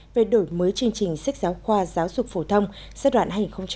về đổi mới chương trình sách giáo khoa giáo dục phổ thông giai đoạn hai nghìn một mươi sáu hai nghìn hai mươi